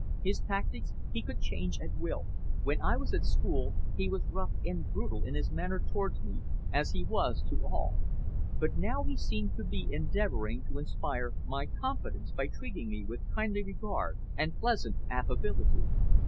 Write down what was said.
His tactics he could change at will. When I was at school he was rough and brutal in his manner towards me, as he was to all; but now he seemed to be endeavoring to inspire my confidence by treating me with kindly regard and pleasant affability.